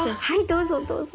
どうぞどうぞ。